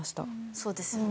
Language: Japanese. そうですよね。